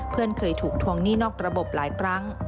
เคยถูกทวงหนี้นอกระบบหลายครั้ง